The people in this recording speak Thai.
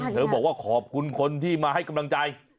บอกว่าขอบคุณคนที่มาให้กำลังใจ